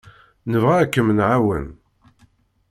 Nebɣa ad kem-nɛawen.